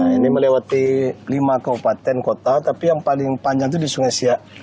ini melewati lima kabupaten kota tapi yang paling panjang itu di sungai siak